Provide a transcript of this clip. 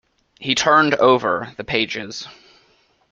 He turned over the pages.